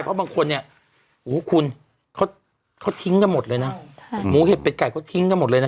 เพราะบางคนเนี่ยโอ้โหคุณเขาทิ้งกันหมดเลยนะหมูเห็ดเป็ดไก่เขาทิ้งกันหมดเลยนะ